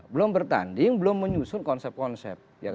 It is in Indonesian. belum bertanding belum menyusun konsep konsep